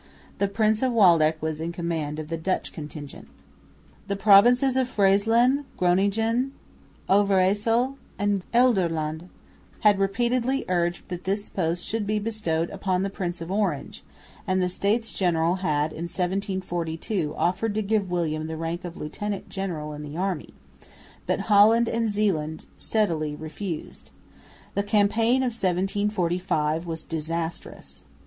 The Prince of Waldeck was in command of the Dutch contingent. The provinces of Friesland, Groningen, Overyssel and Gelderland had repeatedly urged that this post should be bestowed upon the Prince of Orange; and the States General had in 1742 offered to give William the rank of lieutenant general in the army, but Holland and Zeeland steadily refused. The campaign of 1745 was disastrous.